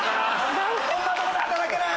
こんなとこで働けない！